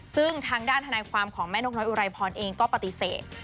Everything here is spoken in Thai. ซึ่งทางด้านทนายความของแม่นกน้อยอุไรพรเองก็ปฏิเสธ